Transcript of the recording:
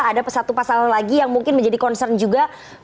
ada satu pasal lagi yang mungkin menjadi concern juga